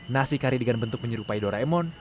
nasi kari dengan bentuk menyerupai doraemon